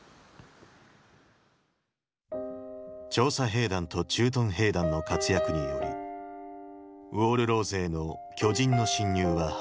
調査兵団と駐屯兵団の活躍によりウォール・ローゼへの巨人の侵入は阻まれた。